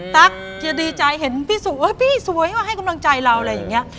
ตั๊กจะดีใจเห็นพี่สุพี่สวยมาให้กำลังใจเราอะไรอย่างนี้